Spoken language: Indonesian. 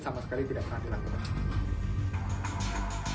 sama sekali tidak pernah dilakukan